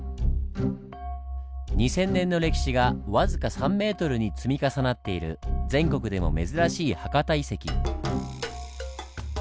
二千年の歴史がわずか３ｍに積み重なっている全国でも珍しい博多遺跡。